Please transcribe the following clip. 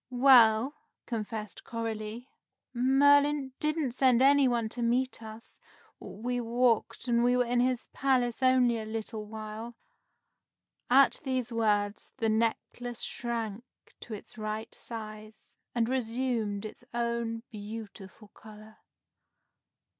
"Well," confessed Coralie, "Merlin didn't send any one to meet us. We walked, and we were in his palace only a little while." At these words, the necklace shrank to its right size, and resumed its own beautiful color.